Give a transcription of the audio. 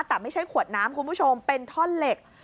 แต่ไม่ใช่ขวดน้ำคุณผู้ชมเป็นท่อนเหล็ก